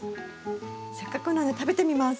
せっかくなので食べてみます。